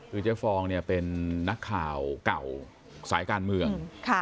คือเจ๊ฟองเนี่ยเป็นนักข่าวเก่าสายการเมือง